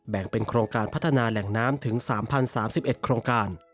แบ่งเป็นโครงการพัฒนาแหล่งน้ำถึง๓๐๓๑โครงการ